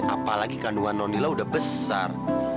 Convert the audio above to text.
apalagi kandungan nonila udah besar